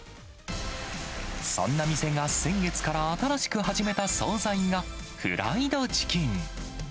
そんな店が先月から新しく始めた総菜が、フライドチキン。